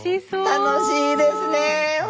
楽しいですね本当！